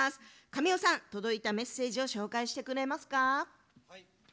神尾さん、届いたメッセージを紹介してくれますか。